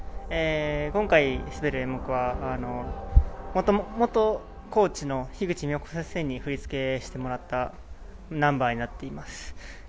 今回、滑る演目は元々、コーチの樋口美穂子先生に振り付けしてもらったナンバーになっています。